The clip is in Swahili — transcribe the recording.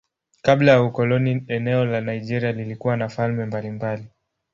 Kabla ya ukoloni eneo la Nigeria lilikuwa na falme mbalimbali.